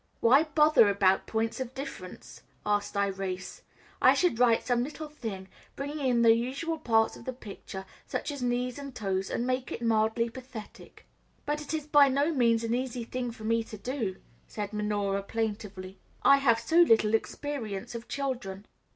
"Why bother about points of difference?" asked Irais. "I should write some little thing, bringing in the usual parts of the picture, such as knees and toes, and make it mildly pathetic." "But it is by no means an easy thing for me to do," said Minora plaintively; "I have so little experience of children."